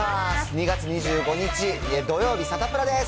２月２５日土曜日、サタプラです。